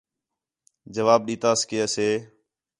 جواب ݙِتاس کہ اَسے